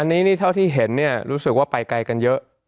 อันนี้เท่าที่เห็นรู้สึกว่าไปไกลกันเยอะ